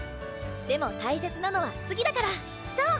でも大切なのは次だから！そう！